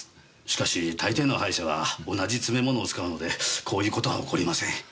しかし大抵の歯医者は同じ詰め物を使うのでこういう事は起こりません。